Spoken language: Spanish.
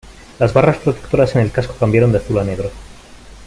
Las barras protectoras en el casco cambiaron de azul a negro.